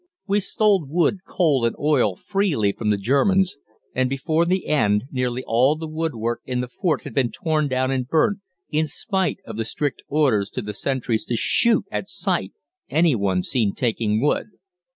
We stole wood, coal, and oil freely from the Germans, and before the end nearly all the woodwork in the fort had been torn down and burnt, in spite of the strict orders to the sentries to shoot at sight any one seen taking wood.